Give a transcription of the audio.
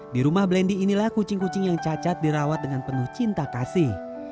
di rumah blendy inilah kucing kucing yang cacat dirawat dengan penuh cinta kasih